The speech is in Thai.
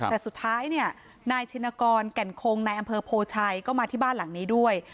แต่สุดท้ายเนี่ยนายชินกรแก่นคงนายอำเภอโพชัยก็มาที่บ้านหลังนี้ด้วย